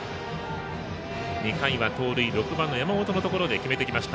２回は盗塁６番の山本のところで決めてきました。